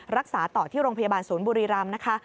รักษาต่อที่โรงพยาบาลศูนย์บุรีรำนะคะ